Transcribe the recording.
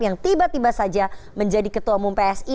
yang tiba tiba saja menjadi ketua umum psi